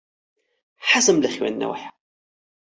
حەزم لە خوێندنەوەیە.